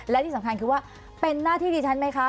และที่สำคัญคือว่าเป็นหน้าที่ดิฉันไหมคะ